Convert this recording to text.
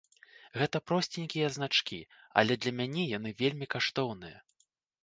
Гэта просценькія значкі, але для мяне яны вельмі каштоўныя.